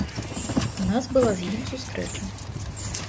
У нас была з ім сустрэча.